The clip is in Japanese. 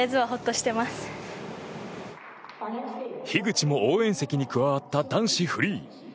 樋口も応援席に加わった男子フリー。